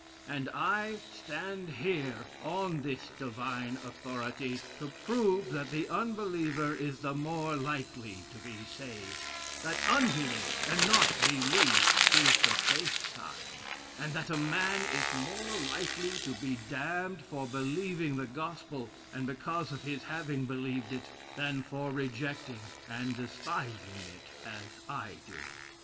And I stand here, on this divine authority, to prove that the unbeliever is the more likely to be saved: that unbelief, and not belief, is the safe side, and that a man is more likely to be damned for believing the gospel, and because of his having believed it, than for rejecting and despising it, as I do....